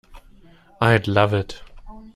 I'd love it.